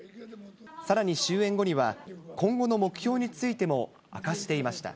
さらに終演後には、今後の目標についても明かしていました。